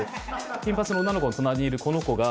金髪の女の子の隣にいるこの子が。